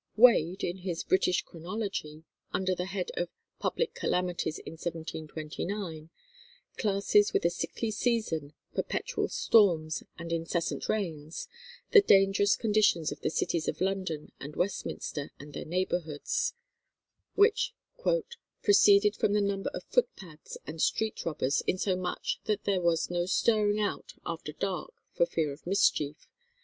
Wade, in his "British Chronology," under the head of public calamities in 1729, classes with a sickly season, perpetual storms, and incessant rains, the dangerous condition of the cities of London and Westminster and their neighbourhoods, which "proceeded from the number of footpads and street robbers, insomuch that there was no stirring out after dark for fear of mischief.